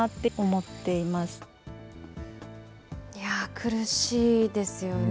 苦しいですよね。